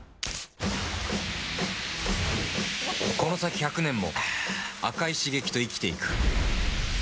この先１００年も赤い刺激と生きていく。